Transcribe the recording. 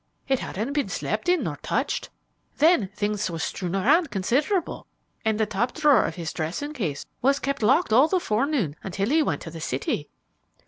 It hadn't been slept in nor touched. Then things was strewn around considerable, and the top drawer of his dressing case was kept locked all the forenoon until he went to the city."